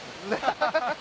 ハハハ。